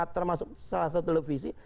termasuk salah satu televisi